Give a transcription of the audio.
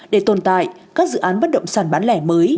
để tồn tại các dự án bất động sản bán lẻ mới